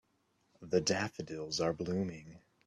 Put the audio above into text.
The daffodils are blooming.